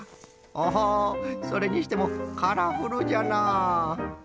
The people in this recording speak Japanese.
おそれにしてもカラフルじゃな。